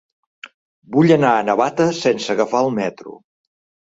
Vull anar a Navata sense agafar el metro.